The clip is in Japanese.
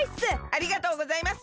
ありがとうございます！